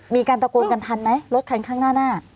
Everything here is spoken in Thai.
มีการตะโกนกันทันไหมรถคันข้างหน้า